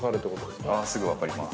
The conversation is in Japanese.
◆すぐ分かります。